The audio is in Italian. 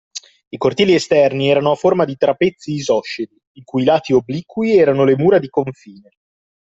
I cortili esterni erano a forma di trapezi isosceli, i cui lati obliqui erano le mura di confine.